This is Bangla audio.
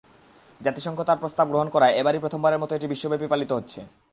জাতিসংঘ তাঁর প্রস্তাব গ্রহণ করায় এবারই প্রথমবারের মতো এটি বিশ্বব্যাপী পালিত হচ্ছে।